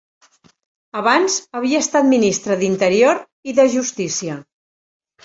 Abans havia estat ministre d'interior i de justícia.